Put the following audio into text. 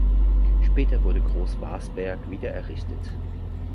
Später wurde Groß-Warsberg wiedererrichtet.